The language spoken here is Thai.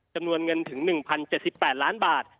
จำนวนเงินถึง๑๐๗๘ล้านบาท